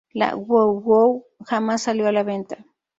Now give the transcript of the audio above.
La WoWoW jamás salió a la venta.